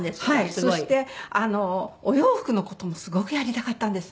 そしてお洋服の事もすごくやりたかったんです。